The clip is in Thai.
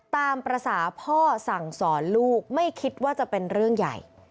ตามภาษาพ่อสั่งสอนลูกไม่คิดว่าจะเป็นเรื่องใหญ่